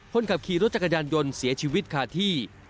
คนขับขี่รถจักรยานยนต์เสียชีวิตขาดที่